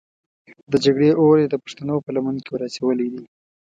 د جګړې اور یې د پښتنو په لمن کې ور اچولی دی.